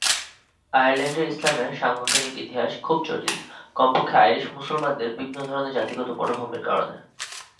আয়ারল্যান্ডের ইসলামের সাংগঠনিক ইতিহাস খুব জটিল, কমপক্ষে আইরিশ মুসলমানদের বিভিন্ন ধরনের জাতিগত পটভূমির কারণে।